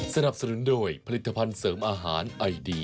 สนับสนุนโดยผลิตภัณฑ์เสริมอาหารไอดี